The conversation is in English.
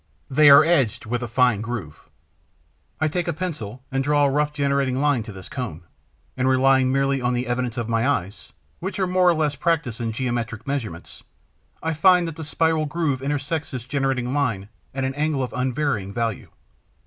They are edged with a fine groove. I take a pencil and draw a rough generating line to this cone; and, relying merely on the evidence of my eyes, which are more or less practised in geometric measurements, I find that the spiral groove intersects this generating line at an angle of unvarying value.